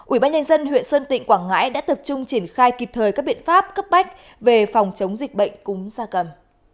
ủy ban nhân dân huyện sơn tịnh quảng ngãi đã tập trung triển khai kịp thời các biện pháp cấp bách về phòng chống dịch bệnh cúm gia cầm